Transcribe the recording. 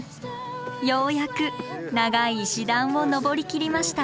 ようやく長い石段を登りきりました。